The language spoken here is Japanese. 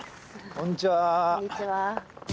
こんにちは。